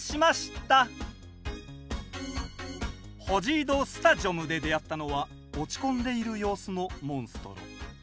ホジード・スタジョムで出会ったのは落ち込んでいる様子のモンストロ。